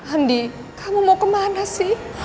andi kamu mau kemana sih